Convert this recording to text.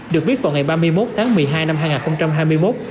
được biết vào ngày ba mươi một tháng một mươi hai năm hai nghìn hai mươi một